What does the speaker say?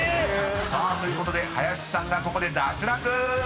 ［さあということで林さんがここで脱落！］